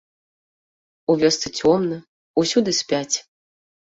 У вёсцы цёмна, усюды спяць.